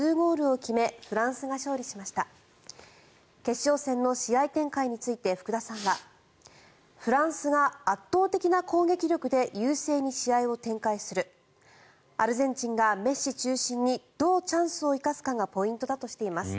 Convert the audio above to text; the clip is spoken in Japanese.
決勝戦の試合展開について福田さんはフランスが圧倒的な攻撃力で優勢に試合を展開するアルゼンチンがメッシ中心にどうチャンスを生かすかがポイントだとしています。